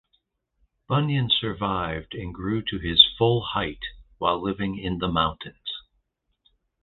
Bunyan survived and grew to his full height while living in the mountains.